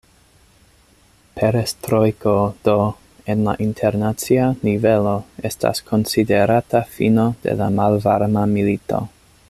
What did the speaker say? Perestrojko do, en la internacia nivelo, estas konsiderata fino de la Malvarma milito.